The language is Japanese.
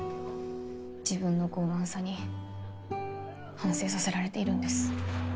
自分のごう慢さに反省させられているんです